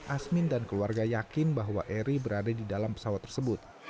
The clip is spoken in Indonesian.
asmin dan keluarga yakin bahwa eri berada di dalam pesawat tersebut